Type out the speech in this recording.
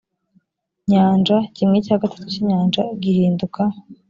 nyanja kimwe cya gatatu cy inyanja gihinduka